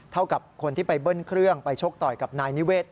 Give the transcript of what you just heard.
เท่ากับคนที่ไปเบิ้ลเครื่องไปชกต่อยกับนายนิเวศ